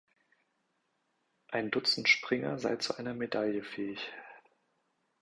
Ein Dutzend Springer sei zu einer Medaille fähig.